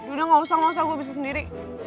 yaudah gak usah gak usah gue bisa sendiri